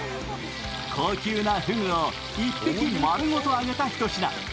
高級なふぐを１匹まるごとあげたひと品。